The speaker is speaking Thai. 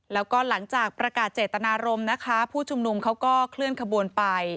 แล้วก็หลังจากประกาศเจตนารมณ์นะคะผู้ชุมนุมเขาก็เคลื่อนขบวนไป